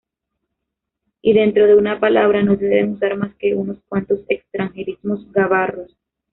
Y dentro de una palabra, no se deben usar más que unos cuantos extranjerismos-gavarros.